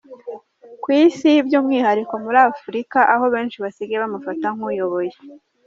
ku isi byumwihariko muri Afurika aho benshi basigaye bamufata nkuyoboye.